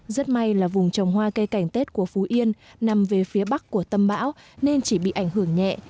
rất may là vùng trồng hoa cây cảnh tết của phú yên nằm về phía bắc của tâm bão nên chỉ bị ảnh hưởng nhẹ